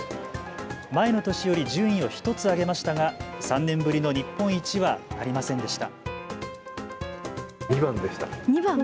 前の年より順位を１つ上げましたが３年ぶりの日本一はなりませんでした。